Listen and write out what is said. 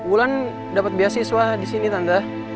ulan dapat beasiswa disini tante